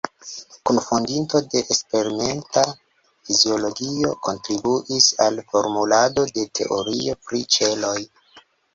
Kunfondinto de eksperimenta fiziologio, kontribuis al formulado de teorio pri ĉeloj.